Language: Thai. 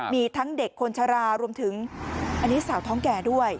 มีทั้งเด็กคนชะลารวมถึงอันนี้สาวท้องแก่ด้วย